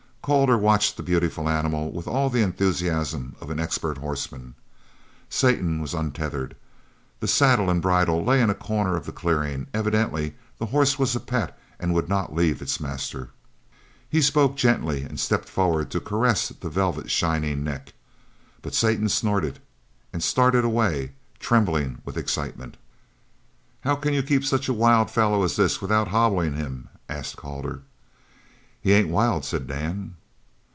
Calder watched the beautiful animal with all the enthusiasm of an expert horseman. Satan was untethered; the saddle and bridle lay in a corner of the clearing; evidently the horse was a pet and would not leave its master. He spoke gently and stepped forward to caress the velvet shining neck, but Satan snorted and started away, trembling with excitement. "How can you keep such a wild fellow as this without hobbling him?" asked Calder. "He ain't wild," said Dan.